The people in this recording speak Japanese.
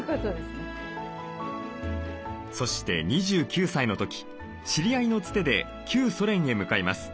そして２９歳の時知り合いのつてで旧ソ連へ向かいます。